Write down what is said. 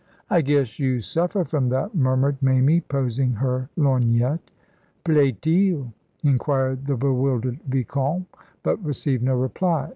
"I guess you suffer from that," murmured Mamie, posing her lorgnette. "Plaît il?" inquired the bewildered vicomte; but received no reply.